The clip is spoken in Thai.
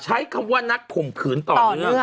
ใช้คำว่านักข่มขืนต่อเนื่อง